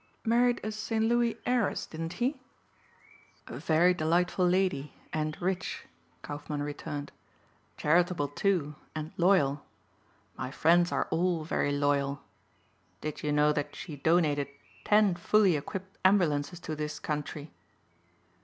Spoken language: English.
"Married a St. Louis heiress, didn't he?" "A very delightful lady, and rich," Kaufmann returned. "Charitable too, and loyal. My friends are all very loyal. Did you know that she donated ten fully equipped ambulances to this country?"